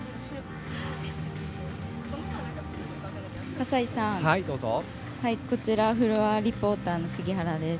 笠井さん、こちらフロアリポーターの杉原です。